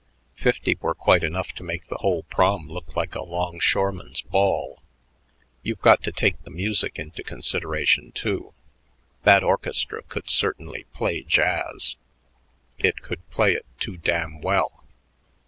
Fifty were quite enough to make the whole Prom look like a longshoreman's ball. You've got to take the music into consideration, too. That orchestra could certainly play jazz; it could play it too damn well.